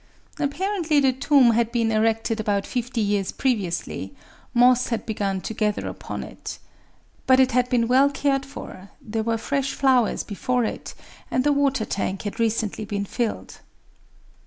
Apparently the tomb had been erected about fifty years previously: moss had begun to gather upon it. But it had been well cared for: there were fresh flowers before it; and the water tank had recently been filled.